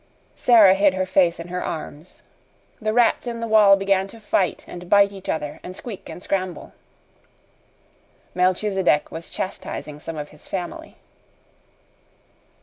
Sara hid her face in her arms. The rats in the wall began to fight and bite each other and squeak and scramble. Melchisedec was chastising some of his family.